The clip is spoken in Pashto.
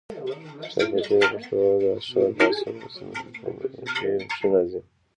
چاربیتې د پښتو د شعر په اصیلو صنفونوکښي راځي